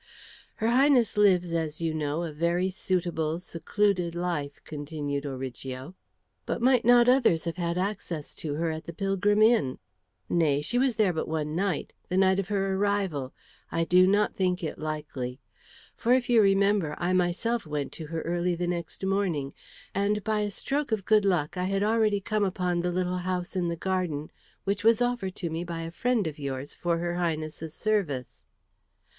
"Her Highness lives, as you know, a very suitable, secluded life," continued Origo. "But might not others have had access to her at the Pilgrim Inn?" "Nay, she was there but the one night, the night of her arrival. I do not think it likely. For if you remember, I myself went to her early the next morning, and by a stroke of good luck I had already come upon the little house in the garden which was offered to me by a friend of yours for her Highness's service."